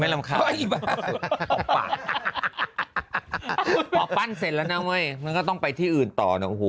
ไม่รำคาญพอปั้นเสร็จแล้วนะเว้ยมันก็ต้องไปที่อื่นต่อเนอะโห